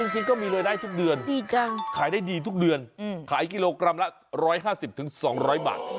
จริงก็มีรายได้ทุกเดือนขายได้ดีทุกเดือนขายกิโลกรัมละ๑๕๐๒๐๐บาท